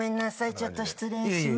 ちょっと失礼します。